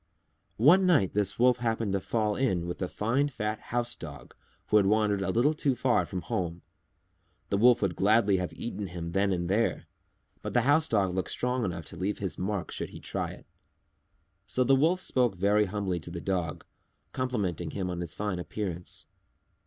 One night this Wolf happened to fall in with a fine fat House Dog who had wandered a little too far from home. The Wolf would gladly have eaten him then and there, but the House Dog looked strong enough to leave his marks should he try it. So the Wolf spoke very humbly to the Dog, complimenting him on his fine appearance.